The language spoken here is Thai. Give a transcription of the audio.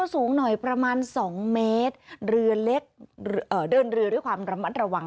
สูงหน่อยประมาณ๒เมตรเรือเล็กเดินเรือด้วยความระมัดระวัง